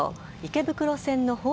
池袋線の保